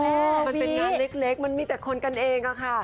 มันเป็นงานเล็กมันมีแต่คนกันเองอะค่ะ